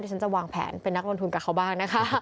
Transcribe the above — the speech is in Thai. ฉันจะวางแผนเป็นนักลงทุนกับเขาบ้างนะคะ